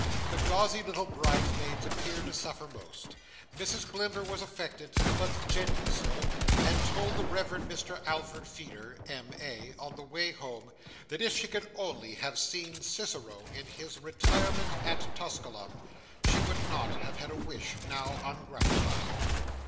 The gauzy little bridesmaids appeared to suffer most. Mrs Blimber was affected, but gently so; and told the Reverend Mr Alfred Feeder, M.A., on the way home, that if she could only have seen Cicero in his retirement at Tusculum, she would not have had a wish, now, ungratified.